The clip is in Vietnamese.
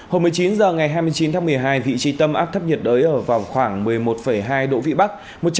hồi một mươi chín h ngày hai mươi chín tháng một mươi hai vị trí tâm áp thấp nhiệt đới ở vào khoảng một mươi một hai độ vị bắc